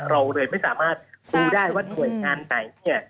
เราเลยไม่สามารถรู้ได้ว่าหน่วยงานไหนเนี่ย